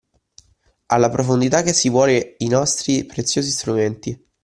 Alla profondità che si vuole i nostri preziosi strumenti.